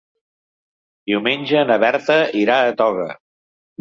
Diumenge na Berta irà a Toga.